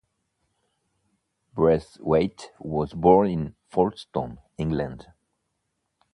Braithwaite was born in Folston, England.